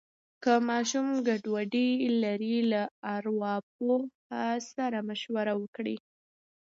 که ماشوم ګډوډي لري، له ارواپوه سره مشوره وکړئ.